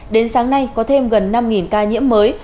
đến sáng nay có thêm gần năm ca nhiễm mới